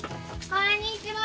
こんにちは！